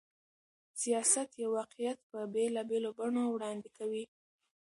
سياست يو واقعيت په بېلابېلو بڼو وړاندې کوي.